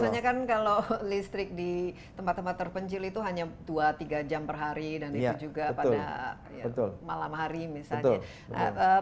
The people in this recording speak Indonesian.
biasanya kan kalau listrik di tempat tempat terpencil itu hanya dua tiga jam per hari dan itu juga pada malam hari misalnya